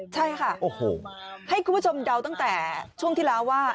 ใช่ค่ะให้คุณผู้ชมเดาตั้งแต่ช่วงที่แล้วว่า